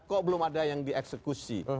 kok belum ada yang dieksekusi